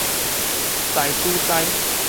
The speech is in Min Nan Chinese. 知拄知